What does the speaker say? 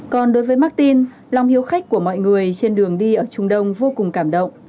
còn đối với martin lòng hiếu khách của mọi người trên đường đi ở trung đông vô cùng cảm động